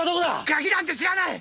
鍵なんて知らない！